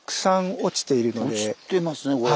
落ちてますねこれ。